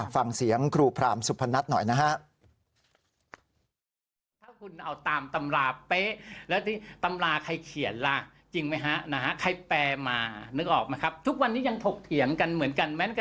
ฟังเสียงครูพรามสุพนัทหน่อยนะฮะ